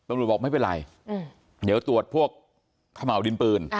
บอกไม่เป็นไรเดี๋ยวตรวจพวกขม่าวดินปืน